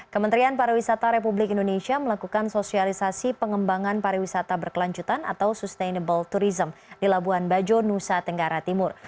kementerian pariwisata republik indonesia melakukan sosialisasi pengembangan pariwisata berkelanjutan atau sustainable tourism di labuan bajo nusa tenggara timur